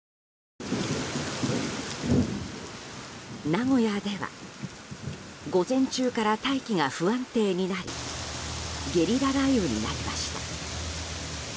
名古屋では午前中から大気が不安定になりゲリラ雷雨になりました。